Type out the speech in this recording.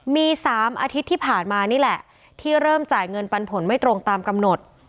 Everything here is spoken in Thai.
มี๓อาทิตย์ที่ผ่านมานี่แหละที่เริ่มจ่ายเงินปันผลไม่ตรงตามกำหนด